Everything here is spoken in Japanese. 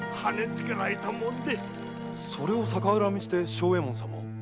それを逆恨みして庄右衛門様を？